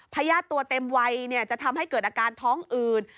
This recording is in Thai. พญาติตัวเต็มวัยจะทำให้เกิดอาการท้องอืด